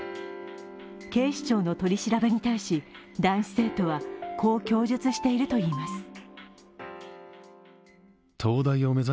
警視庁の取り調べに対し、男子生徒はこう供述しているといいます。